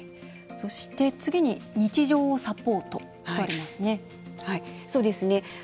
そして、次に「日常をサポート」とありますね。